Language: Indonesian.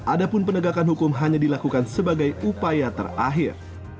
adapun penegakan hukum hanya dilakukan sebagai upaya terakhir